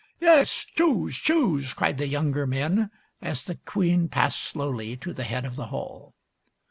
" Yes, choose ! choose !" cried the younger men, as the queen passed slowly to the head of the hall.